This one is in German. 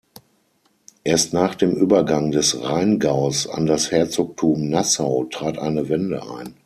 Erst nach dem Übergang des Rheingaus an das Herzogtum Nassau trat eine Wende ein.